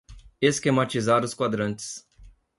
Esquematizar os quadrantes